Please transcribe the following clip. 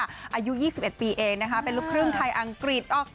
อายุยี่สิบเอ็ดปีเองนะคะเป็นลูกครึ่งไทยอังกฤษ